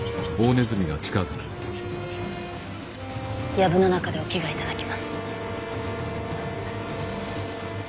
やぶの中でお着替えいただきます。